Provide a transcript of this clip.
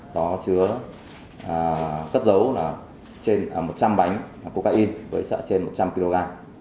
có chứa cất dấu trên một trăm linh bánh coca in với sợi trên một trăm linh kg